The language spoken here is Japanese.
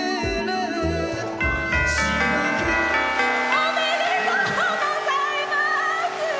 おめでとうございます！